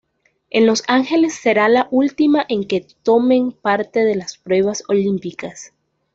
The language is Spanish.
En Los Ángeles será la última en que tomen parte de las pruebas olímpicas.